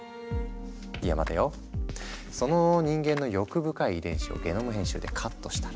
いや待てよその人間の欲深い遺伝子をゲノム編集でカットしたら。